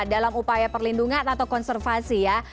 dalam upaya perlindungan atau konservasi ya